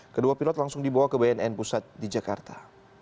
kedua pilot langsung dibawa ke bnn pusat di jakarta